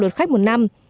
lượt khách một năm